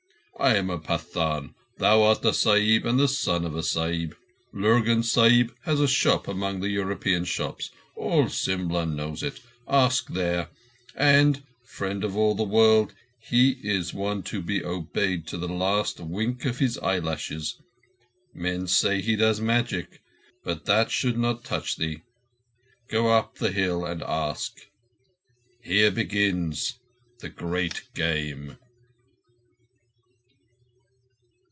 "I am a Pathan; thou art a Sahib and the son of a Sahib. Lurgan Sahib has a shop among the European shops. All Simla knows it. Ask there ... and, Friend of all the World, he is one to be obeyed to the last wink of his eyelashes. Men say he does magic, but that should not touch thee. Go up the hill and ask. Here begins the Great Game."